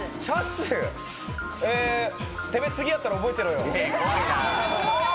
てめえ、次会ったら覚えてろよ。